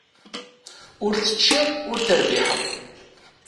Ur teččiḍ ur terbiḥeḍ.